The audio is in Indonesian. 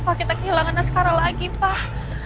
pak kita kehilangan askara lagi pak